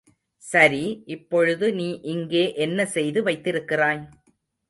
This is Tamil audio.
சரி, இப்பொழுது நீ இங்கே என்ன செய்து வைத்திருக்கிறாய்?